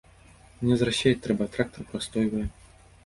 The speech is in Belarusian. Мне зараз сеяць трэба, а трактар прастойвае.